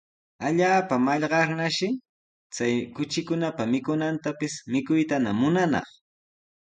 Allaapa mallaqnarshi chay kuchikunapa mikunantapis mikuytana munanaq.